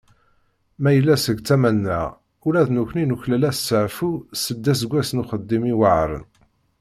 Ma yella seg tama-nneɣ, ula d nekni nuklal asteεfu seld aseggas n uxeddim iweεṛen.